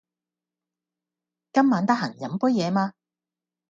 今晚得閒飲杯嘢嘛？